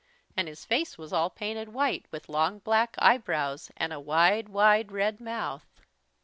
And his face was all painted white, with long black eyebrows and a wide, wide, red mouth.